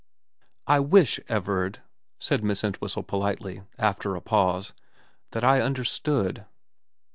' I wish, Everard,' said Miss Entwhistle politely, after a pause, ' that I understood.'